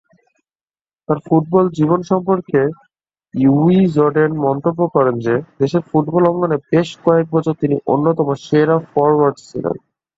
তার ফুটবল জীবন সম্পর্কে উইজডেন মন্তব্য করে যে, দেশের ফুটবল অঙ্গনে বেশ কয়েকবছর তিনি অন্যতম সেরা ফরোয়ার্ড ছিলেন।